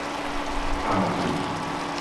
พังอีก